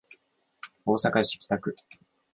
大阪市北区